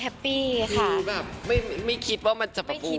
แฮปปี้ค่ะไม่คิดว่ามันจะประภูมิ